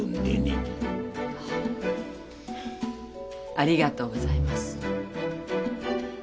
ありがとうございます。